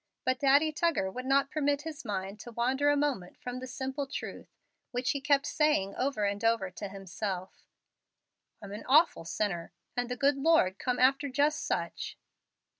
But Daddy Tuggar would not permit his mind to wander a moment from the simple truth, which he kept saying over and over to himself, "I'm an awful sinner, and the good Lord come after just such."